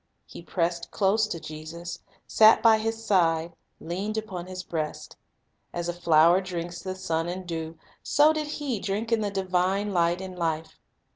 He pressed close to Jesus, Fellowship; sat by His side, leaned upon His breast. As a flower the sun and dew, so did he drink in the divine light and life.